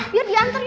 biar diantar yuk